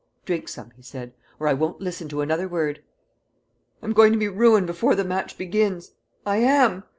"Drink some," he said, "or I won't listen to another word." "I'm going to be ruined before the match begins. I am!"